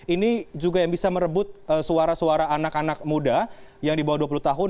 ini juga yang bisa merebut suara suara anak anak muda yang di bawah dua puluh tahun